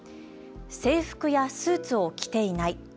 制服やスーツを着ていない。